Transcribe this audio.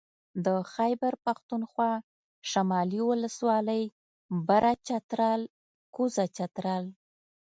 د خېبر پښتونخوا شمالي ولسوالۍ بره چترال کوزه چترال